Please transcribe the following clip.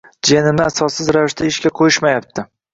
Jiyanimni asossiz ravishda ishga qo'yishmayapti.